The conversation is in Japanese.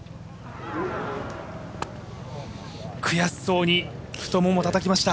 悔しそうに太ももをたたきました。